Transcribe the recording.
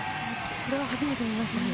これは初めて見ました。